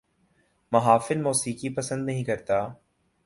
محافل موسیقی پسند نہیں کرتا